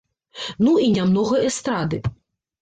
Ну і нямнога эстрады.